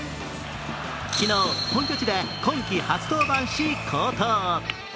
昨日、本拠地で今季初登板し好投。